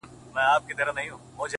ستا جدايۍ ته به شعرونه ليکم’